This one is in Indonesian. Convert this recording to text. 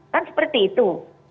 kan seperti itu